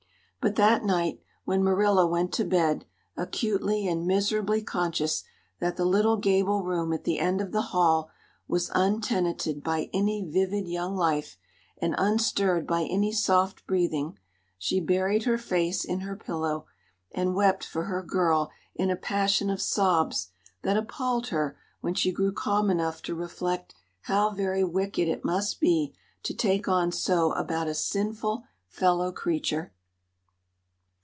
But that night, when Marilla went to bed, acutely and miserably conscious that the little gable room at the end of the hall was untenanted by any vivid young life and unstirred by any soft breathing, she buried her face in her pillow, and wept for her girl in a passion of sobs that appalled her when she grew calm enough to reflect how very wicked it must be to take on so about a sinful fellow creature.